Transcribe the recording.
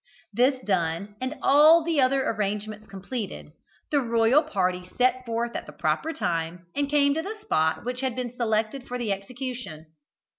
This done, and all the other arrangements completed, the royal party set forth at the proper time, and came to the spot which had been selected for the execution.